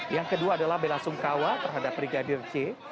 yang kedua adalah bela sungkawa terhadap brigadir c